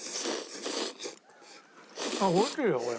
あっおいしいよこれ。